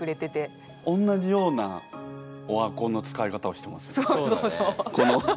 おんなじようなオワコンの使い方をしてますよね。